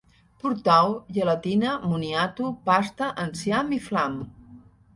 Portau gelatina, moniato, pasta, enciam i flam